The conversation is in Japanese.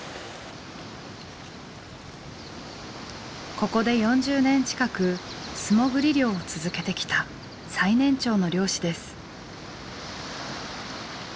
ここで４０年近く素潜り漁を続けてきた最年長の漁師です。